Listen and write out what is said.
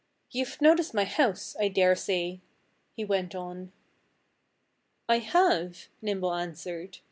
You've noticed my house, I dare say," he went on. "I have," Nimble answered.